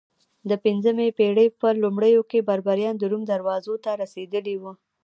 د پنځمې پېړۍ په لومړیو کې بربریان د روم دروازو ته رسېدلي وو